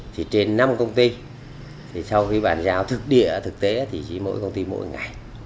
thì trên năm công ty thì sau khi bàn giao thực địa thực tế thì chỉ mỗi công ty mỗi ngày